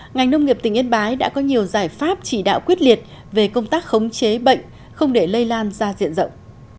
ngành nông nghiệp tỉnh yên bái đã có nhiều giải pháp chỉ đạo quyết liệt về công tác khống chế bệnh không để lây lan ra diện rộng